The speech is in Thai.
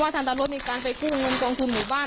ตาโรสดีการไปทรูนเงินกองทุนหมู่บ้าน